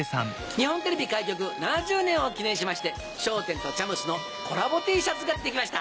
日本テレビ開局７０年を記念しまして『笑点』とＣＨＵＭＳのコラボＴシャツができました。